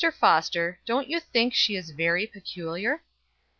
Foster, don't you think she is very peculiar?"